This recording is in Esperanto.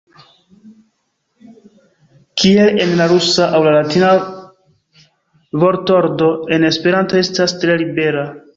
Kiel en la rusa aŭ la latina, vortordo en Esperanto estas tre libera.